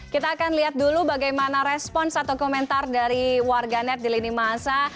kita akan lihat dulu bagaimana respons atau komentar dari warganet di lini masa